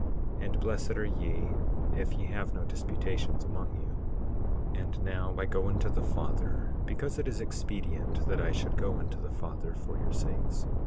And blessed are ye if ye have no disputations among you. 18:35 And now I go unto the Father, because it is expedient that I should go unto the Father for your sakes.